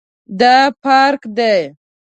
دا پارک دی